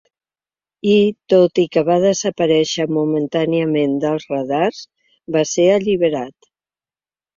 I, tot i que va desaparèixer momentàniament dels radars, va ser alliberat.